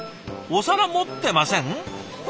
お皿持ってません？